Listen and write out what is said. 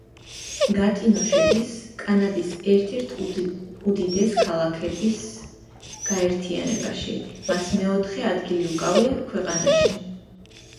გატინო შედის კანადის ერთ-ერთ უდიდეს ქალაქების გაერთიანებაში, მას მეოთხე ადგილი უკავია ქვეყანაში.